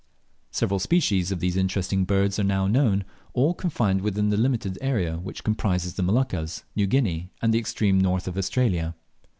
Several species of these interesting birds are now known, all confined within the very limited area which comprises the Moluccas, New Guinea, and the extreme North of Australia.